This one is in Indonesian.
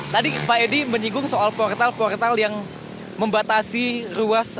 tadi pak edi menyinggung soal portal portal yang membatasi ruas